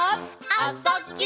「あ・そ・ぎゅ」